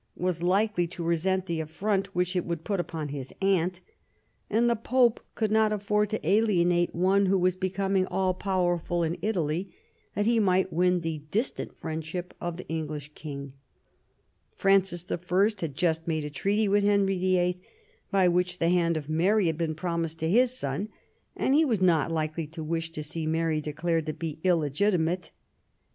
was likely to resent the affront which it would put upon his aunt, and the Pope could not afford to alienate one who was becoming all powerful in Italy that he might win the distant friendship of the English king ; Francis L had just made a treaty with Henry VIIL, by which the hand of Mary had been promised to his son, and he was not likely to wish to see Mary declared to be illegitimate.